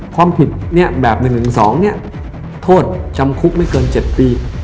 ความผิดแบบ๑๑๒โทษจำคุกไม่เกิน๗ปี